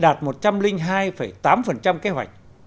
đạt một trăm linh hai tám kế hoạch